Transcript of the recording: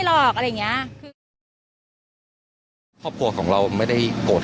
หรอกอะไรอย่างเงี้ยคือครอบครัวของเราไม่ได้โกรธ